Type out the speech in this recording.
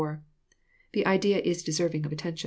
The idea is deserving of attention.